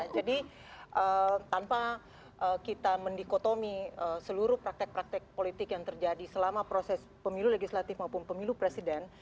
jadi tanpa kita mendikotomi seluruh praktek praktek politik yang terjadi selama proses pemilu legislatif maupun pemilu presiden